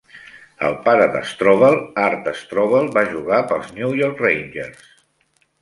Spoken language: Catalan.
El pare de Strobel, Art Strobel, va jugar pels New York Rangers.